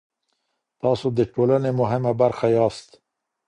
تاسو د ټولني مهمه برخه ياست.